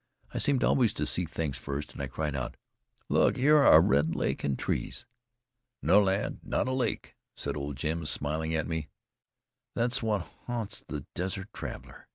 I seemed always to see things first, and I cried out: "Look! here are a red lake and trees!" "No, lad, not a lake," said old Jim, smiling at me; "that's what haunts the desert traveler.